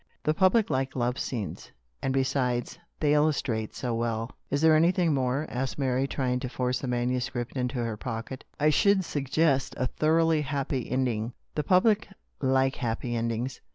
The public like love scenes, and besides they illustrate so well." " Is there anything more ?" said Mary, try ing to force the manuscript into her pocket. " I should suggest a thoroughly happy end ing. The public like happy endings.